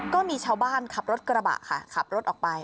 ก็มีชาวบ้านขับรถกระบะค่ะขับรถออกไป